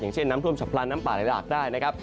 อย่างเช่นน้ำทรวมฉับพลานน้ำป่าหลายหลากได้นะครับ